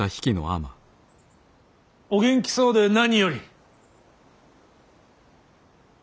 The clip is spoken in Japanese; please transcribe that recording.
お元気そうで何より。